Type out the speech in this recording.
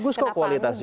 bagus kok kualitasnya